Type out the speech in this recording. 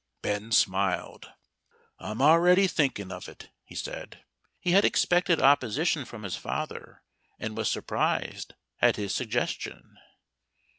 Ben smiled. "I'm already thinking of it," he said. He had expected opposition from his father, and was surprised at his suggestion.